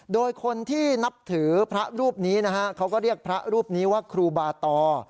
โดยคนที่นับถือพระรูปนี้นะฮะเขาก็เรียกพระรูปนี้ว่าครูบาตอ